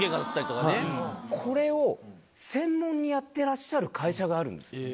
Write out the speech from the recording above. はいこれを専門にやってらっしゃる会社があるんです。